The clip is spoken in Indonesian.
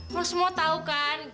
lo semua tahu kan